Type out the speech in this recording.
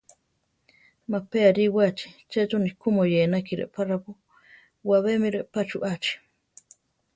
Ma pe aríwachi, checho ni ku moyénaki repá raábo, wabé mi repá chuʼachi.